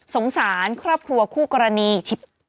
สงสารครอบครัวคู่กรณี